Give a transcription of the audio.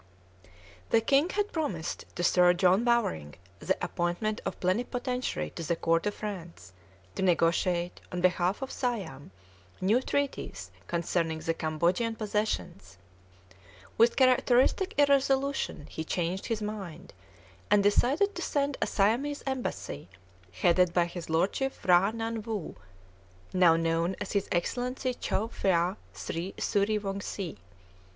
The king had promised to Sir John Bowring the appointment of Plenipotentiary to the Court of France, to negotiate, on behalf of Siam, new treaties concerning the Cambodian possessions. With characteristic irresolution he changed his mind, and decided to send a Siamese Embassy, headed by his Lordship P'hra Nan Why, now known as his Excellency Chow Phya Sri Sury wongse.